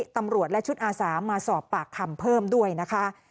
ตำรวจและชุดอาสามาสอบปากคำเพิ่มด้วยนะคะ